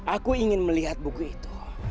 aku ingin melihat buku itu